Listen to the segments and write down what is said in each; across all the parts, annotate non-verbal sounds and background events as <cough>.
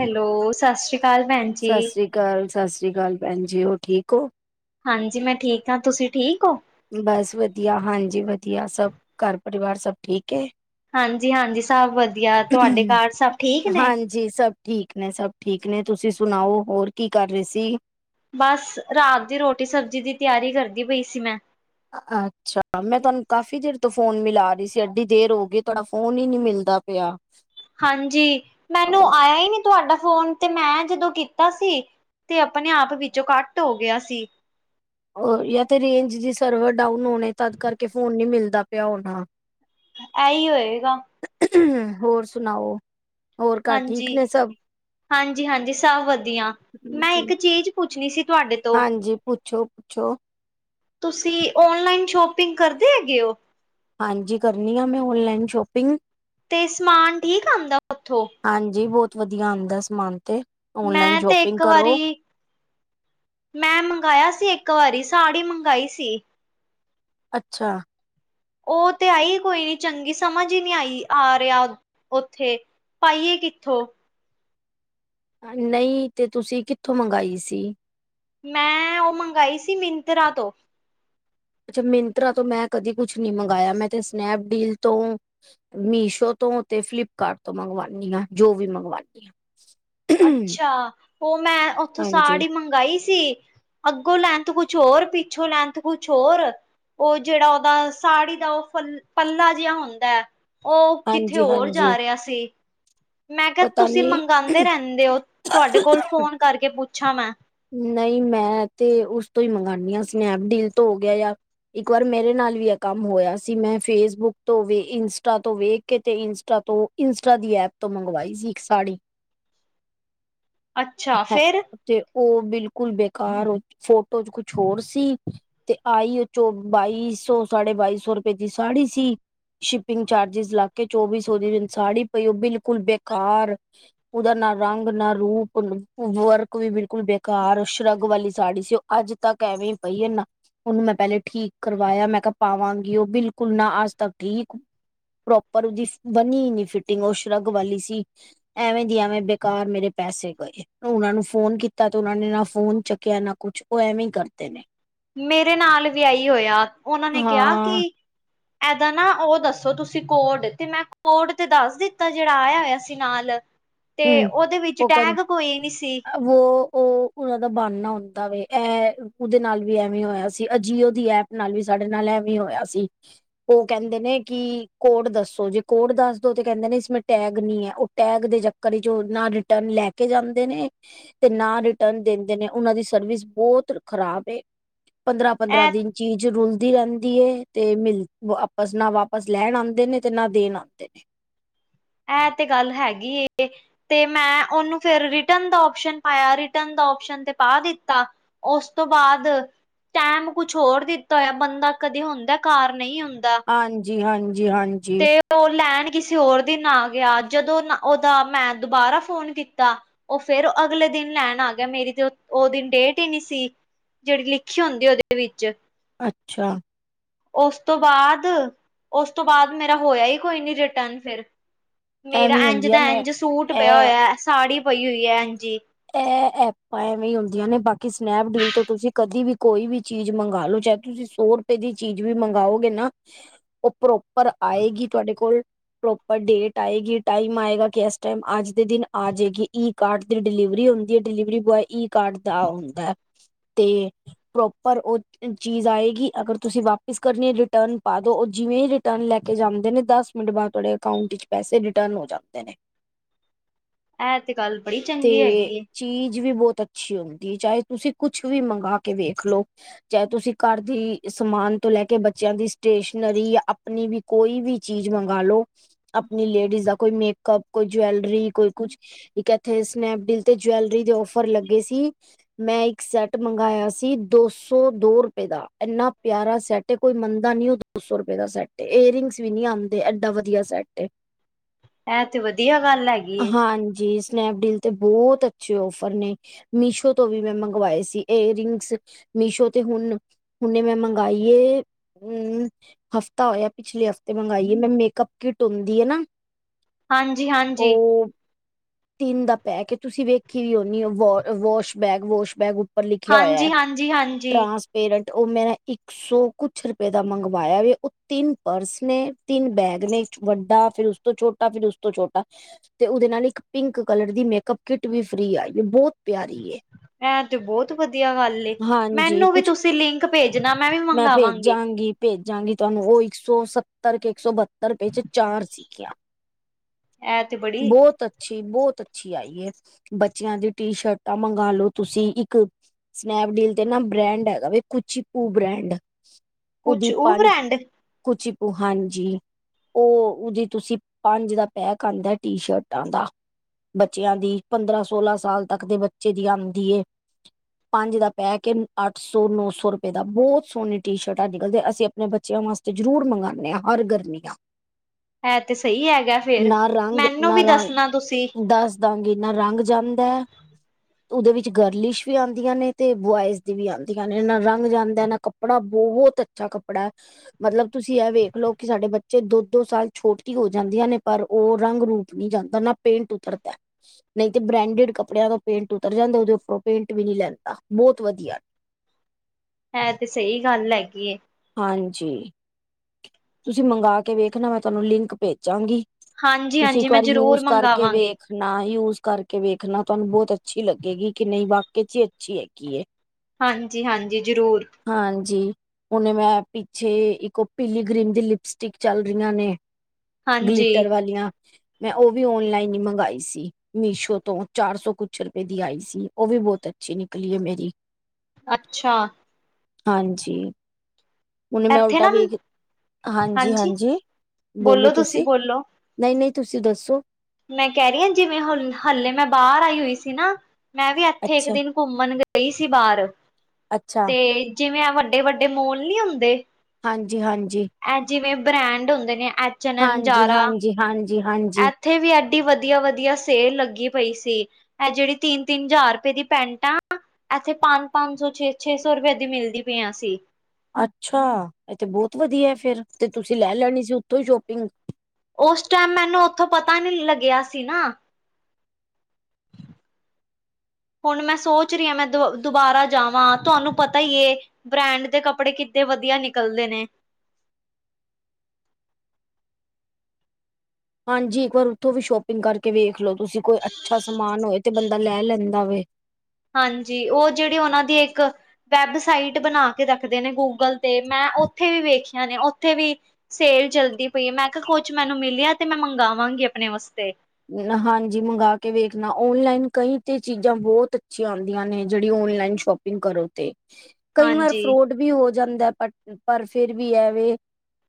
Hello ਸਤਿ ਸ਼੍ਰੀ ਅਕਾਲ ਭੈਣ ਸਤਿ ਜੀ। ਸ੍ਰੀ ਅਕਾਲ ਸਤਿ ਸ਼੍ਰੀ ਅਕਾਲ ਭੈਣਜੀ ਹੋਰ ਠੀਕ ਹੋ? ਹਾਂਜੀ ਮੈਂ ਠੀਕ ਆ ਤੁਸੀਂ ਠੀਕ ਹੋ? ਬਸ ਵਧੀਆ ਹਾਂਜੀ ਵਧੀਆ ਸਭ ਘਰ ਪਰਿਵਾਰ ਸਭ ਠੀਕ ਐ? ਹਾਂਜੀ ਹਾਂਜੀ ਸਭ ਵਧੀਆ ਤੁਹਾਡੇ ਘਰ ਸਭ ਠੀਕ ਨੇ? ਜੀ ਸਭ ਠੀਕ ਨੇ ਸਭ ਠੀਕ ਨੇ ਤੁਸੀਂ ਸੁਣਾਓ ਹੋਰ ਕੀ ਕਰ ਰਹੇ ਸੀ? ਬਸ ਰਾਤ ਦੀ ਰੋਟੀ ਸਬਜ਼ੀ ਦੀ ਤਿਆਰੀ ਕਰਦੀ ਪਈ ਸੀ ਮੈਂ ਅੱਛਾ ਮੈਂ ਤੁਹਾਨੂੰ ਕਾਫ਼ੀ ਦੇਰ ਤੋਂ ਫ਼ੋਨ ਮਿਲਾ ਰਹੀ ਸੀ ਐਡੀ ਦੇਰ ਹੋ ਗਈ ਤੁਹਾਡਾ ਫੋਨ ਈ ਨੀ ਮਿਲਦਾ ਪਿਆ ਹਾਂਜੀ, ਮੈਨੂੰ ਆਇਆ ਈ ਨੀ ਤੁਹਾਡਾ ਫੋਨ ਤੇ ਮੈਂ ਜਦੋਂ ਕੀਤਾ ਸੀ ਤੇ ਅਪਨੇ ਆਪ ਵਿੱਚੋਂ ਕੱਟ ਹੋ ਗਿਆ ਸੀ ਯਾ ਤੇ ਰੇਂਜ ਜਾਂ ਸਰਵਰ ਡਾਊਨ ਹੋਨੇ ਤਦ ਕਰਕੇ ਫੋਨ ਨੀ ਮਿਲਦਾ ਪਿਆ ਹੋਨਾ ਐ ਈ ਹੋਏਗਾ ਹੋਰ ਸੁਨਾਓ ਹਾਂਜੀ, ਹਾਂਜੀ-ਹਾਂਜੀ ਸਭ ਵਦੀਆ ਮੈਂ ਜੀ ਇੱਕ ਚੀਜ਼ ਪੁੱਛਨੀ ਸੀ ਤੁਹਾਡੇ ਤੋਂ ਹਾਂਜੀ, ਪੁੱਛੋ-ਪੁੱਛੋ, ਤੁਸੀਂ ਓਨਲਾਈਨ ਸ਼ੋਪਿੰਗ ਕਰਦੇ ਹੈਗੇ ਔ ਹਾਂਜੀ ਕਰਨੀ ਆ ਮੈਂ ਔਨਲਾਈਨ ਸ਼ੋਪਿੰਗ ਤੇ ਸਮਾਨ ਠੀਕ ਆਂਦਾ ਉੱਥੋਂ ਹਾਂਜੀ ਬਹੁਤ ਵਦੀਆ ਆੰਦਾ ਸਮਾਨ ਤੇ ਓਨਲਾਈਨ ਮੈਂ ਤੇ ਸ਼ੋਪਿੰਗ ਇੱਕ ਵਾਰੀ ਕਰੋ ਮੈਂ ਮੰਗਾਇਆ ਸੀ ਇੱਕ ਵਾਰੀ ਸਾੜੀ ਮੰਗਾਈ ਸੀ। ਅੱਛਾ ਉਹ ਤੇ ਆਈ ਕੋਈ ਨੀ ਚੰਗੀ ਸਮਝ ਈ ਨੀ ਆਈ ਆ ਰਿਹਾ ਉੱਥੇ, ਪਾਈਏ ਕਿੱਥੋਂ ਨਹੀਂ ਤੇ ਤੁਸੀਂ ਕਿੱਥੋਂ ਮੰਗਾਈ ਸੀ ਮੈਂ ਉਹ ਮੰਗਾਈ ਸੀ ਮਿੰਤਰਾ ਤੋਂ ਅੱਛਾ ਮਿੰਤਰਾ ਤੋਂ ਮੈਂ ਕਦੀ ਕੁਛ ਨੀ ਮੰਗਾਇਆ ਮੈਂ ਤੇ ਸਨੈਪਡੀਲ ਤੋਂ ਮੀਸ਼ੋ ਤੋਂ ਤੇ ਫਲਿਪਕਾਰਟ ਤੋਂ ਮੰਗਵਾਣੀ ਆ ਜੋ ਵੀ ਮੰਗਵਾਣੀ ਆ ਅੱਛਾ, ਉਹ ਮੈਂ ਉੱਥੋਂ ਹਾਂਜੀ ਸਾੜੀ ਮੰਗਾਈ ਸੀ ਅੱਗੋਂ ਲੈਂਥ ਕੁਛ ਹੋਰ ਪਿੱਛੋਂ ਲੈਂਥ ਕੁਛ ਹੋਰ ਉਹ ਜੇਹੜਾ ਉਹਦਾ ਸਾੜੀ ਦਾ ਉਹ ਪਲ ਪੱਲਾ ਜਿਹਾ ਹੁੰਦਾ ਉਹ ਕਿੱਥੇ ਹਾਂਜੀ ਹੋਰ ਜਾ ਹਾਂਜੀ ਰਿਹਾ ਸੀ ਮੈਂ ਕਿਆ ਪਤਾ ਤੁਸੀਂ ਨੀ ਮੰਗਾਂਦੇ ਰਹਿੰਦੇ ਓ ਤੁਹਾਡੇ ਕੋਲ ਫੋਨ ਕਰਕੇ ਪੁੱਛਾਂ ਮੈਂ ਨਹੀਂ ਮੈਂ ਤੇ ਉਸ ਤੋਂ ਹੀ ਮੰਗਾਂਨੀ ਆ ਸਨੈਪਡੀਲ ਤੋਂ ਹੋ ਗਿਆ ਯਾ ਇੱਕ ਵਾਰ ਮੇਰੇ ਨਾਲ ਵੀ ਇਹ ਕੰਮ ਹੋਇਆ ਸੀ ਮੈਂ ਫੇਸਬੁੱਕ ਤੋਂ ਵੇ ਇੰਸਟਾ ਤੋਂ ਵੇਖ ਕੇ ਤੇ ਇੰਸਟਾ ਤੋਂ ਇੰਸਟਾ ਦੀ ਐਪ ਤੋਂ ਮੰਗਵਾਈ ਸੀ ਇੱਕ ਸਾੜੀ ਅੱਛਾ, ਹੈ ਫਿਰ ਤੇ ਉਹ ਬਿਲਕੁਲ ਬੇਕਾਰ ਫੋਟੋ ਚ ਕੁਛ ਹੋਰ ਸੀ ਤੇ ਆਈ ਉਹ ਚੋਂ ਬਾਈ ਸੌ ਸਾਢੇ ਬਾਈ ਸੌ ਰੁਪਏ ਦੀ ਸਾੜੀ ਸੀ ਸ਼ਿਪਿੰਗ ਚਾਰਜਿਸ ਲੱਗ ਕੇ ਚੌਵੀ ਸੌ ਦੀ ਮੈਨੂੰ ਸਾੜੀ ਪਈ ਉਹ ਬਿਲਕੁਲ ਬੇਕਾਰ ਉਹਦਾ ਨਾ ਰੰਗ ਨਾ ਰੂਪ ਵਰਕ ਵੀ ਬਿਲਕੁਲ ਬੇਕਾਰ, ਸ਼ਰੱਗ ਵਾਲੀ ਸਾੜੀ ਸੀ, ਉਹ ਅੱਜ ਤੱਕ ਐਵੇਂ ਈ ਪਈ ਐ ਨਾ ਉਹਨੂੰ ਮੈਂ ਪਹਿਲੇ ਠੀਕ ਕਰਵਾਇਆ, ਮੈਂ ਕਿਹਾ ਪਾਵਾਂਗੀ ਉਹ ਬਿਲਕੁਲ ਨਾ ਅੱਜ ਤੱਕ ਠੀਕ ਪ੍ਰੋਪਰ ਉਹਦੀ ਬਨੀ ਈ ਨੀ ਫਿਟਿੰਗ ਉਹ ਸ਼ਰੱਗ ਵਾਲੀ ਸੀ। ਐਵੇਂ ਦੀ ਐਵੇਂ ਬੇਕਾਰ ਮੇਰੇ ਪੈਸੇ ਇੱਕ ਉਹਨਾਂ ਨੂੰ ਫੋਨ ਕੀਤਾ ਤੇ ਉਹਨਾਂ ਨੇ ਨਾ ਫੋਨ ਚੱਕਿਆ ਨਾ ਕੁਛ ਉਹ ਐਵੇਂ ਹੀ ਕਰਦੇ ਨੇ ਮੇਰੇ ਨਾਲ ਵੀ ਆਹੀ ਹੋਇਆ ਉਹਨਾਂ ਨੇ ਕਿਹਾ ਕਿ ਹਾਂ ਏਦਾਂ ਨਾ ਉਹ ਦੱਸੋ ਤੁਸੀਂ ਕੋਡ ਤੇ ਮੈਂ ਕੋਡ ਤੇ ਦੱਸ ਦਿੱਤਾ ਜੇਹੜਾ ਆਇਆ ਹੋਇਆ ਸੀ ਨਾਲ ਤੇ ਉਹਦੇ ਵਿੱਚ ਟੈਗ ਕੋਈ ਨੀ ਸੀ। ਵੋ ਓ ਉਹਨਾਂ ਦਾ ਬਹਾਨਾ ਹੁੰਦਾ ਵੇ ਐ। ਉਦੇ ਨਾਲ ਵੀ ਐਵੇਂ ਹੋਇਆ ਸੀ। ਅ ਜੀਓ ਦੀ ਐਪ ਨਾਲ ਵੀ ਸਾਡੇ ਨਾਲ ਐਵੇਂ ਹੋਇਆ ਸੀ। ਉਹ ਕਹਿੰਦੇ ਨੇ ਕਿ ਕੋਡ ਦੱਸੋ ਜੇ ਕੋਡ ਦੱਸਦੋ ਤੇ ਕਹਿੰਦੇ ਨੇ ਇਸਮੇ ਟੈਗ ਨਈ ਏ ਉਹ ਟੈਗ ਦੇ ਚ ਕੜੀ-ਚੋਲ ਨਾ ਰਿਟਰਨ ਲੈ ਕੇ ਜਾਂਦੇ ਨੇ ਤੇ ਨਾ ਰਿਟਰਨ ਦਿੰਦੇ ਨੇ ਉਨਾਂ ਦੀ ਸਰਵਿਸ ਬੋਤ ਖਰਾਬ ਏ ਪੰਦਰਾਂ-ਪੰਦਰਾਂ ਇਹ ਦਿਨ ਚੀਜ਼ ਰੁਲਦੀ ਰੈਂਦੀ ਏ ਤੇ ਮਿਲ ਵਾਪਸ ਨਾ ਵਾਪਸ ਲੈਣ ਆਂਦੇ ਤੇ ਨਾ ਦੇਣ ਆਂਦੇ ਨੇ। ਐ ਤੇ ਗੱਲ ਹੈਗੀ ਏ। ਤੇ ਮੈਂ ਉਨੂੰ ਫਿਰ ਰਿਟਨ ਦਾ ਓਪਸਨ ਪਾਇਆ ਰਿਟਨ ਦਾ ਓਪਸਨ ਤੇ ਪਾ ਦਿੱਤਾ। ਉਸ ਤੋਂ ਬਾਦ ਟੈਮ ਕੁਛ ਹੋਰ ਦਿੱਤਾ ਹੋਇਆ ਬੰਦਾ ਕਦੇ ਹੁੰਦਾ ਘਾਰ ਨਈ ਹੁੰਦਾ। ਹਾਂਜੀ-ਹਾਂਜੀ-ਹਾਂਜੀ ਤੇ ਤੇ ਓ ਲੈਣ ਕਿਸੇ ਹੋਰ ਦੀ ਦਿਨ ਆ ਗਿਆ ਜਦੋਂ ਨਾ ਉਦਾ ਮੈਂ ਦੁਬਾਰਾ ਫੋਨ ਕੀਤਾ। ਓ ਫਿਰ ਅਗਲੇ ਦਿਨ ਲੈਣ ਆ ਗਿਆ ਮੇਰੀ ਤੇ ਓ-ਓ ਦਿਨ ਡੇਟ ਹੀ ਨਈ ਸੀ। ਜੇੜੀ ਲਿਖੀ ਹੁੰਦੀ ਉਦੇ ਵਿੱਚ ਅੱਛਾ ਉਸ ਤੋਂ ਬਾਦ ਉਸ ਤੋਂ ਬਾਦ ਮੇਰਾ ਹੋਇਆ ਈ ਕੋਈ ਨੀ ਰਿਟਰਨ ਫਿਰ ਮੇਰਾ ਐਵੇਂ ਇੰਝ ਹੁੰਦੀਆਂ ਦਾ ਨੇ ਇੰਝ ਸੂਟ ਪਿਆ ਇਹ ਹੋਇਆ ਸਾੜੀ ਪਈ ਉਈ ਐ ਇੰਜ ਈ। ਐ ਐਪਾਂ ਐਵੇਂ ਈ ਹੁੰਦੀਆਂ ਨੇ ਬਾਕੀ ਸਨੈਪਡੀਲ ਤੋਂ ਤੁਸੀਂ ਕਦੇ ਵੀ ਕੋਈ ਵੀ ਚੀਜ਼ ਮੰਗਾ ਲੋ ਚਾਹੇ ਤੁਸੀ ਸੋ ਰੁਪਏ ਦੀ ਚੀਜ਼ ਵੀ ਮੰਗਾਓਗੇ ਨਾ ਓ ਪ੍ਰੋਪਰ ਆਏਗੀ ਤੁਹਾਡੇ ਕੋਲ ਪ੍ਰੋਪਰ ਡੇਟ ਆਏਗੀ ਟਾਈਮ ਆਏਗਾ ਕਿ ਇਸ ਟਾਈਮ ਅੱਜ ਦੇ ਦਿਨ ਆ ਜੇਗੀ ਈ ਕਾਰਡ ਦਿਨ ਡਿਲੀਵਰੀ ਹੁੰਦੀ ਏ ਡਿਲੀਵਰੀ ਬੁਆਏ ਈ ਕਾਰਡ ਦਾ ਹੁੰਦਾ ਤੇ ਪ੍ਰੋਪਰ ਓ ਚੀਜ਼ ਆਏਗੀ ਅਗਰ ਤੁਸੀ ਵਾਪਿਸ ਕਰਨੀ ਏ ਰਿਟਰਨ ਪਾ ਦੋ ਓ ਜਿਵੇਂ ਈ ਰਿ ਰਿਟਰਨ ਲੈ ਕੇ ਜਾਂਦੇ ਨੇ ਦਸ ਮਿੰਟ ਬਾਦ ਤੁਹਾਡੇ ਅਕਾਊਂਟ ਵਿੱਚ ਪੈਸੇ ਰਿਟਰਨ ਹੋ ਜਾਂਦੇ ਨੇ। ਐ ਤੇ ਗੱਲ ਬੜੀ ਚੰਗੀ ਹੈਗੀ ਤੇ ਏ। ਚੀਜ਼ ਵੀ ਬੋਤ ਅੱਛੀ ਹੁੰਦੀ ਏ ਚਾਹੇ ਤੁਸੀਂ ਕੁਛ ਵੀ ਮੰਗਾਕੇ ਵੇਖ ਲਓ। ਚਾਹੇ ਤੁਸੀ ਘਰ ਦੀ ਸਮਾਨ ਤੋਂ ਲੈ ਕੇ ਬੱਚਿਆਂ ਦੀ ਸਟੇਸ਼ਨਰੀ ਆਪਣੀ ਵੀ ਕੋਈ ਵੀ ਚੀਜ਼ ਮੰਗਾ ਲੋ। ਆਪਣੀ ਲੇਡੀਜ਼ ਦਾ ਕੋਈ ਮੇਕੱਪ ਕੋਈ ਜਵੈਲਰੀ ਕੋਈ ਕੁਛ ਇੱਕ ਇੱਥੇ ਸਨੈਪਡੀਲ ਤੇ ਜਵੈਲਰੀ ਦੇ ਔਫਰ ਲੱਗੇ ਸੀ। ਮੈਂ ਇੱਕ ਸੈੱਟ ਮੰਗਾਇਆ ਸੀ ਦੋ ਸੌ ਦੋ ਰੁਪਏ ਦਾ ਇੰਨਾ ਪਿਆਰਾ ਸੈੱਟ ਤੇ ਕੋਈ ਮੰਨਦਾ ਨੀ ਓ ਦੋ ਸੋ ਰੁਪਏ ਦਾ ਸੈੱਟ ਏ ਏਅਰਿੰਗਸ ਵੀ ਨੀ ਆਂਦੇ ਐਡਾ ਵਧੀਆ ਸੈੱਟ ਏ। <inaudible> ਵਧੀਆ ਗੱਲ ਹੈਗੀ ਏ। ਹਾਂਜੀ ਸਨੈਪਡੀਲ ਤੇ ਬੋਤ ਅੱਛੇ ਔਫਰ ਨੇ ਮੀਸ਼ੋ ਤੋਂ ਵੀ ਮੈਂ ਮੰਗਵਾਏ ਸੀ ਏਅਰਿੰਗਸ ਮੀਸ਼ੋ ਤੇ ਹੁਣ ਹੁਨੇ ਮੈਂ ਮੰਗਾਈ ਏ। ਹੂੰ ਹਫ਼ਤਾ ਹੋਇਆ ਪਿਛਲੇ ਹਫ਼ਤੇ ਮੰਗਾਈ ਏ ਮੈਂ ਮੇਕੱਪ ਕਿਟ ਹੁੰਦੀ ਏ ਨਾ। ਹਾਂਜੀ-ਹਾਂਜੀ ਉਹ ਤਿੰਨ ਦਾ ਪੈਕ ਏ ਤੁਸੀਂ ਵੇਖੀ ਵੀ ਹੋਨੀ ਏ ਵੌਸ ਬੈਗ-ਵੌਸ ਬੈਗ ਓ ਪਰ ਲਿਖਿਆ ਹੋਇਆ ਹਾਂਜੀ ਹਾਂਜੀ ਹਾਂਜੀ ਟ੍ਰਾਂਸਪੇਰੈਂਟ ਓ ਮੈ ਇੱਕ ਸੌ ਕੁਛ ਰੁਪਏ ਦਾ ਮੰਗਵਾਇਆ ਉਹ ਤਿੰਨ ਪਰਸ ਨੇ ਤਿੰਨ ਬੈਗ ਨੇ ਵੱਡਾ ਫਿਰ ਉਸ ਤੋਂ ਛੋਟਾ ਤਾ ਫਿਰ ਉਸ ਤੋਂ ਛੋਟਾ ਤੇ ਉਦੇ ਨਾਲ ਨਾ ਇੱਕ ਪਿੰਕ ਕਲਰ ਦੀ ਮੇਕਅਪ ਕਿੱਟ ਫ੍ਰਰੀ ਆਈ ਬੋਤ ਪਿਆਰੀ ਏ। ਐਂ ਤੇ ਬੋਤ ਵਧੀਆ ਗੱਲ ਏ ਹਾਂਜੀ ਮੈਨੂੰ ਵੀ ਕੁਛ ਤੁਸੀਂ ਲਿੰਕ ਭੇਜਣਾ ਮੈਂ ਵੀ ਮੰਗਵਾਂਗੇ। ਭੇਜਾਂਗੀ ਤੁਆਨੂੰ ਓ ਇੱਕ ਸੌ ਸੱਤਰ ਕੇ ਇੱਕ ਸੌ ਬਹੱਤਰ ਰੁਪਏ 'ਚ ਚਾਰ ਸੀ। ਕਿਆ ਐ ਤੇ ਬੜੀ ਬੋਤ ਅੱਛੀ ਬੋਤ ਅੱਛੀ ਆਈ ਏ ਬੱਚਿਆਂ ਦੀ ਟੀ ਸ਼ਰਟਾਂ ਮੰਗਾ ਲੋ ਤੁਸੀਂ ਇੱਕ ਸਨੈਪਡੀਲ ਤੇ ਨਾ ਬ੍ਰੈਂਡ ਹੈਗਾ ਵ ਕੁਚੀਪੂ ਬ੍ਰਾਂਡ ਕੁਛ ਉਹਦੀਪ ਉਹ ਬ੍ਰੈਂਡ ਕੁਚੀਪੂ। ਹਾਂਜੀ ਓ ਉਹਦੀ ਤੁਸੀਂ ਪੰਜ ਦਾ ਪੈਕ ਆਂਦਾ ਟੀ ਸ਼ਰਟਾਂ ਦਾ ਬੱਚਿਆਂ ਦੀ ਪੰਦਰਾਂ ਸੋਲਾਂ- ਸਾਲ ਤੱਕ ਦੇ ਬੱਚੇ ਦੀ ਆਂਦੀ ਏ। ਪੰਜ ਦਾ ਪੈਕੇ ਅੱਠ ਸੌ, ਨੌ ਸੌ ਰੁਪਏ ਦਾ ਬਹੁਤ ਸੋਹਣੀ ਟੀ ਸ਼ਰਟਾ ਨਿਕਲਦੇ ਅਸੀਂ ਆਪਣੇ ਬੱਚਿਆਂ ਵਾਸਤੇ ਜ਼ਰੂਰ ਮੰਗਾਨੇ ਹਾਂ ਹਰ ਗਰਮੀਆਂ ਐ ਤੇ ਸਹੀ ਹੈਗਾ ਫੇਰ, ਮੈਨੂੰ ਵੀ ਦੱਸਣਾ ਤੁਸੀਂ ਦੱਸਦਾਂ ਗੀ, ਨਾ ਰੰਗ ਜਾਂਦਾ ਐ ਓਦੇ ਵਿੱਚ ਗਰਲਿਸ਼ ਵੀ ਆਉਂਦੀਆਂ ਨੇ ਤੇ ਬੁਆਇਜ਼ ਦੀ ਵੀ ਆਉਂਦੀਆਂ ਨੇ ਨਾ ਰੰਗ ਜਾਂਦਾ ਨਾ ਕਪ ਕੱਪੜਾ, ਬਹੁਤ ਅੱਛਾ ਕੱਪੜਾ ਹੈ। ਮਤਲਬ ਤੁਸੀਂ ਇਹ ਵੇਖ ਲਓ ਕਿ ਸਾਡੇ ਬੱਚੇ ਦੋ-ਦੋ ਸਾਲ ਛੋਟੀ ਹੋ ਜਾਂਦੀਆਂ ਨੇ ਪਰ ਉਹ ਰੰਗ ਰੂਪ ਨ‌ਈ ਜਾਂਦਾ, ਨਾ ਪੇਂਟ ਉਤਰਦੇ। ਨ‌ਈ ਤੇ ਬ੍ਰੈਂਡਿਡ ਕੱਪੜਿਆਂ ਤੋਂ ਪੇਂਟ ਉਤਰ ਜਾਂਦਾ, ਓਦੇ ਉੱਪਰੋਂ ਪੇਂਟ ਵੀ ਨੀ ਲੈਂਦਾ, ਬਹੁਤ ਵਧੀਆ ਹੈ ਤੇ ਸ‌ਈ ਗੱਲ ਹੈਗੀ ਏ। ਹਾਂਜੀ। ਤੁਸੀਂ ਮੰਗਵਾ ਕੇ ਵੇਖ ਨਾ ਮੈਂ ਤੁਹਾਨੂੰ ਲਿੰਕ ਭੇਜਾਂਗੀ। ਤੁਸੀਂ ਹਾਂਜੀ-ਹਾਂਜੀ ਇੱਕ ਮੈਂ ਵਾਰ ਜ਼ਰੂਰ ਯੂਜ ਕਰਕੇ ਮੰਗਾਵਾਂਗੀ। ਵੇਖ ਨਾ ਯੂਜ ਕਰਕੇ ਵੇਖਣਾ। ਤੁਹਾਨੂੰ ਬਹੁਤ ਅੱਛੀ ਲੱਗੇਗੀ ਕਿ ਨਹੀਂ ਵਕਈ ਚ ਹੀ ਅੱਛੀ ਹੈਗੀ ਹੈ। ਹਾਂਜੀ, ਹਾਂਜੀ। ਜਰੂਰ ਹਾਂਜੀ, ਹੁਨੇ ਮੈਂ ਪਿੱਛੇ ਇੱਕ ਪੀਲੀ ਗ੍ਰੀਮ ਦੀ ਲਿਪਸਟਿਕ ਚੱਲ ਰਹੀਆਂ ਨੇ ਹਾਂਜੀ ਗਲੀਟਰ ਵਾਲੀਆਂ ਮੈਂ ਓ ਵੀ ਓਨਲਾਈਨ ਹੀ ਮੰਗਈ ਸੀ। ਮੀਸ਼ੋ ਤੋਂ ਚਾਰ ਸੌ ਕੁਛ ਰੁਪਏ ਦੀ ਆਈ ਸੀ। ਉਹ ਵੀ ਬਹੁਤ ਅਛੀ ਨਿਕਲੀਏ। ਮੇਰੀ ਅੱਛਾ ਹਾਂਜੀ। ਉਹਨੇ ਮੈਂ ਇੱਥੇ ਉਲਟਾ ਨਾ ਵੇਖ ਹਾਂਜੀ, ਹਾਂਜੀ। ਬੋਲੋ ਤੁਸੀਂ ਨਹੀਂ, ਨਹੀਂ ਤੁਸੀਂ ਦੱਸੋ? ਮੈਂ ਕਹਿ ਰਹੀ ਹਾਂ। ਜਿਵੇਂ- ਹ ਹਲੇੇ ਮੈਂ ਬਾਹਰ ਆਈ ਹੋਈ ਸੀ ਨਾ ਮੈਂ ਵੀ ਏਥੇ ਇੱਕ ਅੱਛਾ ਦਿਨ ਘੁੰਮਣ ਗਈ ਸੀ ਬਾਹਰ ਅੱਛਾ ਤੇ ਜਿਵੇਂ-ਆ ਵੱਡੇ, ਵੱਡੇ ਮੋਲ ਨੀ ਹੁੰਦੇ ਹਾਂਜੀ, ਹਾਂਜੀ। ਏ ਜਿਵੇਂ ਬ੍ਰੈਂਡ ਹੁੰਦੇ ਨੇ ਐ ਹਾਂਜੀ, ਹਾਂਜੀ, ਹਾਂਜੀ, ਹਾਂਜੀ ਏਥੇ ਵੀ ਐਡੀ ਵਧੀਆ, ਵਧੀਆ ਸੇਲ ਲੱਗੀ ਪਈ ਸੀ। ਐ ਜਿਹੜੀ ਤਿੰਨ, ਤਿੰਨ ਹਜ਼ਾਰ ਰੁਪਏ ਦੀ ਪੈਂਟ ਆ ਇੱਥੇ ਪੰਜ-ਪੰਜ ਸੌ, ਛੇ-ਛੇ ਸੌ ਰੁਪਏ ਦੀ ਮਿਲਦੀ ਪਈਆਂ ਸੀ। ਅੱਛਾ, ਐਤੇ ਬੌਤ ਵਧੀਆ ਫੇਰ ਤੇ ਤੁਸੀਂ ਲੈ ਲੈਣੀ ਸੀ। ਉੱਥੋਂ ਹੀ ਸ਼ੋਪਿੰਗ ਓਸ ਟਾਈਮ ਮੈਨੂੰ ਉੱਥੋਂ ਪਤਾ ਨੀ ਲੱਗਿਆ ਸੀ ਨਾ ਹੁਣ ਮੈਂ ਸੋਚ ਰਹੀ ਹਾਂ। ਮੈਂ ਦੁ ਦੁਬਾਰਾ ਜਾਵਾਂ ਤੁਹਾਨੂੰ ਪਤਾ ਹੀ ਏ ਬ੍ਰੈਂਡ ਦੇ ਕੱਪੜੇ ਕਿੱਤੇ ਵਧੀਆ ਨਿਕਲਦੇ ਨੇ। ਹਾਂਜੀ, ਇੱਕ ਵਾਰ ਉੱਥੋਂ ਵੀ ਸ਼ੋਪਿੰਗ ਕਰਕੇ ਵੇਖ ਲੋ। ਤੁਸੀਂ ਕੋਈ ਅੱਛਾ ਸਮਾਨ ਹੋਵੇ ਤੇ ਬੰਦਾ ਲੈ ਲੈਂਦਾ ਵੇ। ਹਾਂਜੀ, ਓ ਜੇੜੀ ਉਨਾਂ ਦੀ ਇੱਕ ਵੈੱਬਸਾਈਟ ਬਣਾ ਰੱਖਦੇ ਨੇ ਗੂ ਗੂਗਲ ਤੇ ਮੈਂ ਉੱਥੇ ਵੀ ਵੇਖੀਆਂ ਨੇ ਉੱਥੇ ਵੀ--੍ ਸੇਲ ਚਲਦੀ ਪਈ ਹੈ। ਮੈਂ ਕਿਹਾ-ਕੁਝ ਮੈਨੂੰ ਮਿਲਿਆ ਤੇ ਮੈਂ ਮੰਗਵਾਂਗੀ ਆਪਣੇ ਵਸਤੇ ਹਾਂਜੀ, ਮੰਗ ਕੇ ਵੇਖਣਾ ਓਨਲਾਈਨ ਕਈ ਤੇ ਚੀਜ਼ਾਂ ਬਹੁਤ ਅੱਛੀਆਂ ਆਉਂਦੀਆਂ ਨੇ ਜਿਹੜੀ ਓਨਲਾਈਨ ਸ਼ੋਪ ਕਰੋ ਤੇ ਕਈ ਵਾਰ ਹਾਂਜੀ ਫਰੋਡ ਵੀ ਹੋ ਜਾਂਦਾ ਪਰ ਪਰ ਫਿਰ ਵੀ ਐਵੇ,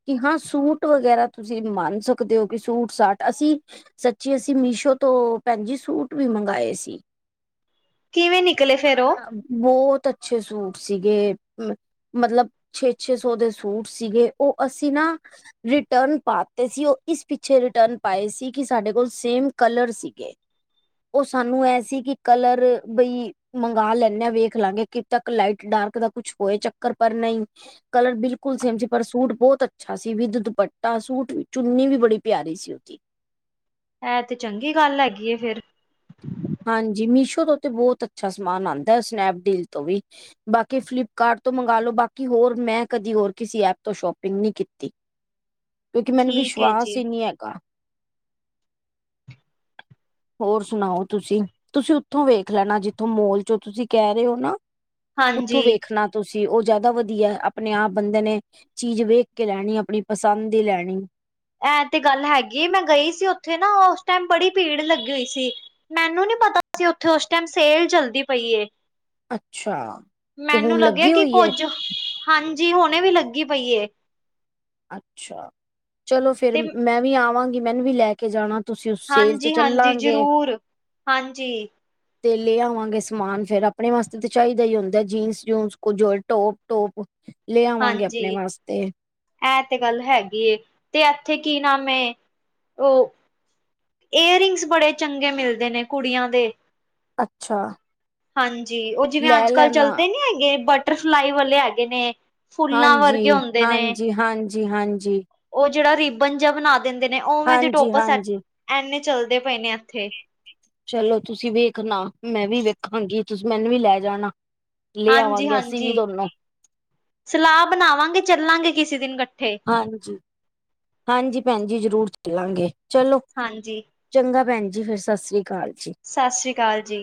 ਕਿ ਹਾਂ, ਸੂਟ ਵਗੈਰਾ ਤੁਸੀਂ ਮੰਨ ਸਕਦੇ ਹੋ ਕਿ ਸੂਟ ਸਾਟ ਅਸੀਂ ਸੱਚੀ, ਅਸੀਂ ਮੀਸ਼ੋ ਤੋਂ ਭੈਣ ਜੀ, ਸੂਟ ਵੀ ਮੰਗਵਾਏ ਸੀ। ਕਿਵੇਂ ਨਿਕਲੇ ਫੇਰ ਉਹ ਆ ਬਹੁਤ ਅੱਛੇ ਸੂਟ ਸੀਗੇ। ਮਤਲਬ ਛੇ- ਛੇ ਸੌ ਦੇ ਸੂਟ ਸੀਗੇ ਓ ਅਸੀਂ ਨਾ। ਰਿਟਰਨ ਪਾਤੇ ਸੀ ਉਹ, ਇਸ ਪਿੱਛੇ ਰਿਟਰਨ ਪਾਏ ਸੀ। ਕਿ ਸਾਡੇ ਕੋਲ ਸੇਮ ਕਲਰ ਸੀਗੇ, ਉਹ ਸਾਨੂੰ ਐਹ ਸੀ ਕਿ ਕਲਰ ਬਈ ਮੰਗਵਾ ਲੈਂਨੇ ਆ, ਵੇਖ ਲਾਂਗੇ ਕਿ ਤੱਕ ਲਾਈਟ ਡਾਰਕ ਦਾ ਕੁੱਛ ਹੋਏ ਚੱਕਰ ਪਰ ਨਈ। ਕਲਰ ਬਿਲਕੁਲ ਸੇਮ ਸੀ ਪਰ ਸੂਟ ਬਹੁਤ ਅੱਛਾ ਸੀ ਵੀਧ ਦੁਪੱਟਾ ਸੂਟ ਵੀ ਚੁੰਨੀ ਵੀ ਬੜੀ ਪਿਆਰੀ ਸੀ ਉਹਦੀ। ਐ ਤੇ ਚੰਗੀ ਗੱਲ ਹੈਗੀ ‌ਏ ਫਿਰ। ਹਾਂਜੀ, ਮੀਸ਼ੋ ਤੋਂ ਤੇ ਬਹੁਤ ਅੱਛਾ ਸਮਾਨ ਆਦਾ ਸਨੈਪਡੀਲ ਤੋਂ ਵੀ। ਬਾਕੀ ਫਲਿੱਪਕਾਰਟ ਤੋਂ ਮੰਗਾਲੋ, ਬਾਕੀ ਹੋਰ ਮੈਂ ਕਦੀ ਹੋਰ ਕਿਸੀ ਐਪ ਤੋਂ ਸ਼ੋਪਿੰਗ ਨੀਂ ਕੀਤੀ। <inaudible> ਕਿਉਂਕਿ ਮੈਂਨੂੰ ਠੀਕ ਹੈ ਵਿਸ਼ਵਾਸ ਜੀ ਈ ਨੀ ਹੈਗਾ। ਹੋਰ ਸੁਣਾਓ। ਤੁਸੀਂ -ਤੁਸੀਂ ਉੱਥੋਂ ਵੇਖ ਲੈਣਾ ਜਿੱਥੋਂ ਮੋਲ 'ਚੋ' ਤੁਸੀਂ ਕਹਿ ਰਹੇ ਓ ਨਾ। ਹਾਂਜੀ ਉੱਥੋਂ ਵੇਖਣਾ ਤੁਸੀਂ, ਉਹ ਜ਼ਿਆਦਾ ਵਧੀਆ ਆਪਣੇ ਆਪ ਬੰਦੇ ਨੇ। ਚੀਜ਼ ਵੇਖ ਕੇ ਲੈਣੀ, ਆਪਣੀ ਪਸੰਦ ਦੀ ਲੈਣੀ। ਐਂ ਤੇ ਗੱਲ ਹੈਗੀ ਏ, ਮੈਂ ਗਈ ਸੀ ਉੱਥੇ ਨਾ ਓਸ ਟਾਇਮ ਬੜੀ ਭੀੜ ਲੱਗੀ ਹੋਈ ਸੀ। ਮੈਨੂੰ ਨੀ ਪਤਾ ਸੀ। ਉੱਥੇ ਉਸ ਟੈਮ ਸੇਲ ਚਲਦੀ ਪਈ ਏ। ਅੱਛਾ। ਤੇ ਮੈਨੂੰ ਹੁਣ ਲੱਗਿਆ ਲੱਗੀ ਕਿ ਹੋਈ ਏ ਕੁੱਝ, ਹਾਂਜੀ ਹੁਣੇ ਵੀ ਲੱਗੀ ਪਈ ਏ। ਅੱਛਾ, ਚਲੋ ਫਿਰ ਤੇ ਮੈਂ ਵੀ ਆਵਾਂਗੀ ਮੈਨੂੰ ਵੀ ਲੈ ਲੈਕੇ ਜਾਣਾ ਤੁਸੀਂ, ਉਸ ਸੇਲ ਚ ਹਾਂਜੀ-ਹਾਂਜੀ ਚੱਲਾਂਗੇ। ਜ਼ਰੂਰ ਹਾਂਜੀ-ਹਾਂਜੀ ਤੇ ਲੈ ਆਵਾਂਗੇ ਸਮਾਨ ਫਿਰ ਆਪਣੇ ਵਾਸਤੇ ਤੇ ਚਾਹੀਈ ਦਾ ਹੁੰਦਾ ਏ, ਜੀਨਸ-ਜੂਨਸ ਕੁਝ ਔਰ ਟੋਪ- ਟੋਪ। ਲੇ ਆਵਾਂਗੇ ਆਪਣੇ ਵਾਸਤੇ। ਐਹ ਤੇ ਗੱਲ ਹੈਗੀ ਏਂ, ਤੇ ਐਥੇ ਕੀ ਨਾਮ ਏ, ਓ ਏਰਿੰਗਸ ਬੜੇ ਚੰਗੇ ਮਿਲਦੇ ਨੇ ਕੁੜੀਆਂ ਦੇ। ਅੱਛਾ। ਹਾਂਜੀ, ਉਹ ਜਿਵੇਂ ਲੈ ਅੱਜ -ਕੱਲ ਲੈਣਾ ਚੱਲਦੇ ਨੀ ਹੈਗੇ ਬਟਰਫਲਾਈ ਵਾਲੇ ਹੈਗੇ ਨੇ। ਫੁੱਲਾਂ ਹਾਂਜੀ, ਵਰਗੇ ਹੁੰਦੇ ਨੇ ਹਾਂਜੀ -ਹਾਂਜੀ -ਹਾਂਜੀ। ਉਹ ਜਿਹੜਾ ਰਿਬਨ ਜਾ ਬਣਾ ਦਿੰਦੇ ਨੇ, ਉਵੇਂ ਦੇ ਹਾਂਜੀ ਟੋਪਸ ਸੈਟ, ਹਾਂਜੀ ਐਨੇ ਚੱਲਦੇ ਪਏ ਨੇ। ਇੱਥੇ ਚਲੋ ਤੁਸੀਂ ਵੀ ਵੇਖਣਾ, ਮੈਂ ਵੀ ਵੇਖਾਂਗੀ ਤੁਸੀਂ ਮੈਨੂੰ ਵੀ ਲੈ ਜਾਣਾ। ਲੇ ਆਵਾਂਗੇ, ਅਸੀਂ ਵੀ ਹਾਂਜੀ-ਹਾਂਜੀ ਦੋਨੋਂ। ਸਲਾਹ ਬਣਾਵਾਂਗੇ ਚੱਲਾਂਗੇ ਕਿਸੇ ਦਿਨ ਇਕੱਠੇ। ਹਾਂਜੀ-ਹਾਂਜੀ ਭੈਣਜੀ ਜ਼ਰੂਰ ਚੱਲਾਂਗੇ ਚਲੋ। ਹਾਂਜੀ। ਚੰਗਾ ਭੈਣਜੀ ਫਿਰ ਸਾਸਰੀ ਕਾਲ ਜੀ। ਸਤਿ ਸ਼੍ਰੀ ਅਕਾਲ ਜੀ।